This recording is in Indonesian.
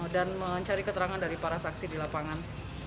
dan mencari keterangan dari para saksi di lapangan